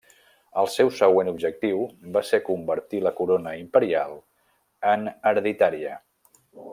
El seu següent objectiu va ser convertir la corona imperial en hereditària.